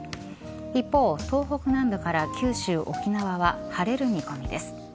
一方、東北南部から九州、沖縄は晴れる見込みです。